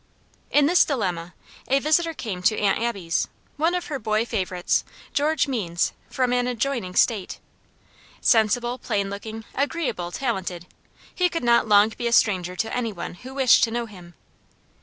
In this dilemma, a visitor came to Aunt Abby's; one of her boy favorites, George Means, from an adjoining State. Sensible, plain looking, agreeable, talented, he could not long be a stranger to any one who wished to know him.